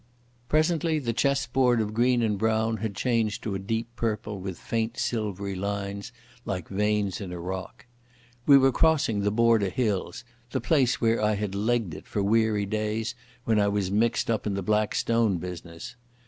Presently the chessboard of green and brown had changed to a deep purple with faint silvery lines like veins in a rock. We were crossing the Border hills, the place where I had legged it for weary days when I was mixed up in the Black Stone business.